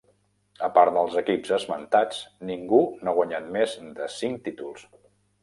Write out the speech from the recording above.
A part dels equips esmentats, ningú no ha guanyat més de cinc títols.